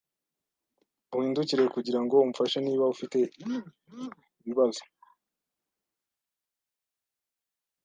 Uhindukire kugirango umfashe niba ufite ibibazo.